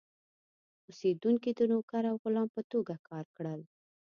اوسېدونکي د نوکر او غلام په توګه کار کړل.